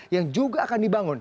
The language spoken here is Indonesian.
yang juga akan dibangun